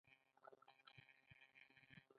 د اشتراکي کېدو په بهیر کې خصوصي مالکیت لغوه شو